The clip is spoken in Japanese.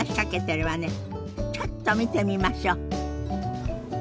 ちょっと見てみましょ。